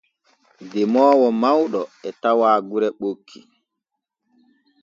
Demoowo mawɗo e tawa gure ɓokki.